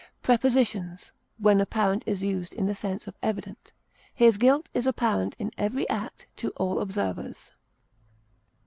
Prepositions: (When apparent is used in the sense of evident): His guilt is apparent in every act to all observers.